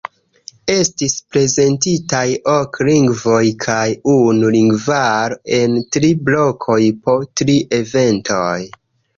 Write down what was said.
Estis prezentitaj ok lingvoj kaj unu lingvaro en tri blokoj po tri eventoj.